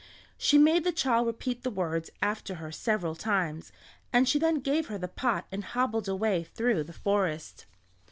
She made the child repeat the words after her several times, and she then gave her the pot and hobbled away through the forest.